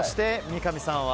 三上さんは？